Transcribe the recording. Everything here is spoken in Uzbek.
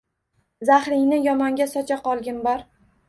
Zahringni yomonga sochaqolgin bor